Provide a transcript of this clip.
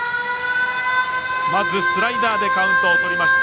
まずスライダーでカウントをとりました。